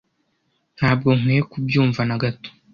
ntabwo nkwiye kubyumva nagato